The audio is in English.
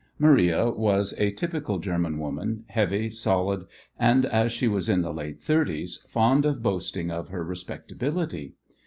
Maria was a typical German woman, heavy, solid, and, as she was in the late thirties, fond of boasting of her respectability.